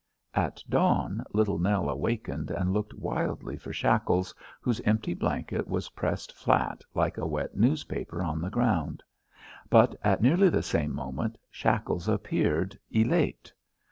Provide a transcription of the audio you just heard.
At dawn Little Nell awakened and looked wildly for Shackles, whose empty blanket was pressed flat like a wet newspaper on the ground. But at nearly the same moment Shackles appeared, elate.